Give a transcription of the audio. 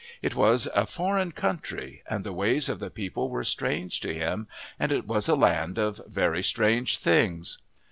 It was a foreign country, and the ways of the people were strange to him, and it was a land of very strange things.